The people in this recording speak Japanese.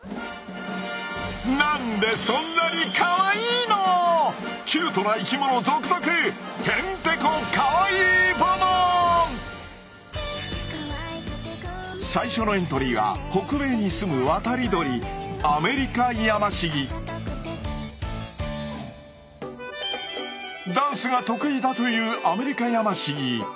何でそんなにカワイイの⁉キュートな生きものゾクゾク最初のエントリーは北米にすむ渡り鳥ダンスが得意だというアメリカヤマシギ。